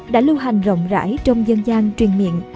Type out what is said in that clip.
đã lưu hành rộng rãi trong dân gian truyền miệng